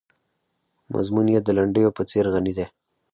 مضمون یې د لنډیو په څېر غني دی.